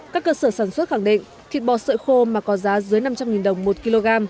các cơ sở sản xuất khẳng định thịt bò sợi khô mà có giá dưới năm trăm linh đồng một kg